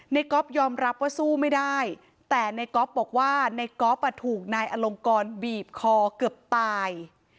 ก๊อฟยอมรับว่าสู้ไม่ได้แต่ในก๊อฟบอกว่าในก๊อฟถูกนายอลงกรบีบคอเกือบตาย